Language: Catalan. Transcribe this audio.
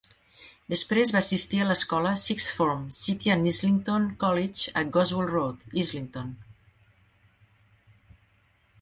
Després va assistir a l'escola 'sixth form' City and Islington College a Goswell Road, Islington.